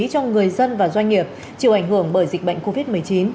cho người dân và doanh nghiệp chịu ảnh hưởng bởi dịch bệnh covid một mươi chín